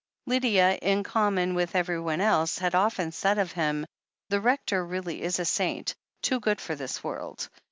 Lydia, in common with everyone else, had often said of him : "The Rector really is a saint — ^too good for this world.